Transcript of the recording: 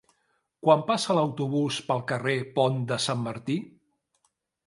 Quan passa l'autobús pel carrer Pont de Sant Martí?